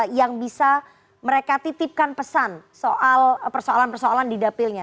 jadi yang bisa mereka titipkan pesan soal persoalan persoalan di dapilnya